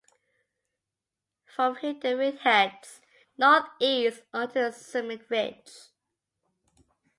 From here the route heads northeast onto the summit ridge.